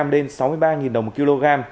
đến sáu mươi ba đồng một kg